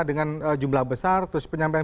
dengan jumlah besar terus penyampaian